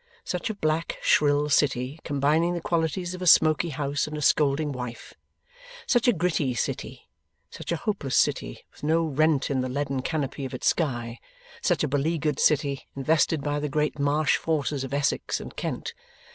Such a black shrill city, combining the qualities of a smoky house and a scolding wife; such a gritty city; such a hopeless city, with no rent in the leaden canopy of its sky; such a beleaguered city, invested by the great Marsh Forces of Essex and Kent.